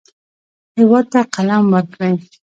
هېواد ته قلم ورکړئ